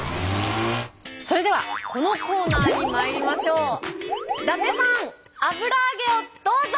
それではこのコーナーにまいりましょう。